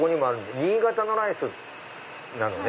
新潟のライスなのね？